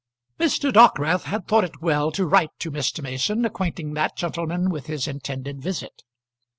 Mr. Dockwrath had thought it well to write to Mr. Mason, acquainting that gentleman with his intended visit.